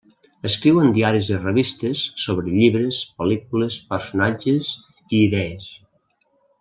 Escriu en diaris i revistes sobre llibres, pel·lícules, personatges i idees.